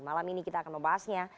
malam ini kita akan membahasnya